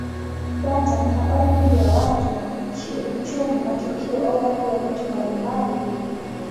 Data ni habari juu ya watu, nchi, uchumi, matukio au hali ya vitu mbalimbali.